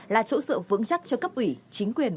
là chỗ dựa vững chắc cho cấp ủy chính quyền